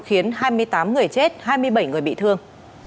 khiến hai mươi tám người chết hai mươi bảy người bị thương